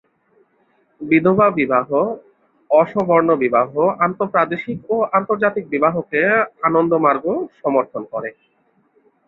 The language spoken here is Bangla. বিধবাবিবাহ, অসবর্ণ বিবাহ, আন্তঃপ্রাদেশিক ও আন্তর্জাতিক বিবাহকে আনন্দমার্গ সমর্থন করে।